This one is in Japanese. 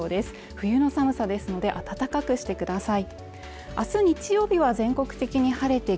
冬の寒さですので温かくしてください。